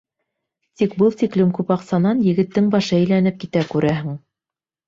Тик был тиклем күп аҡсанан егеттең башы әйләнеп китә, күрәһең.